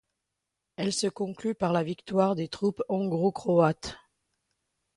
Elle se conclut par la victoire des troupes hongro-croates.